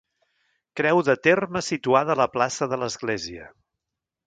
Creu de terme situada a la plaça de l'església.